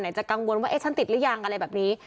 จะกังวลว่าเอ๊ะฉันติดหรือยังอะไรแบบนี้